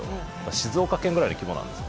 静岡県くらいの規模なんです。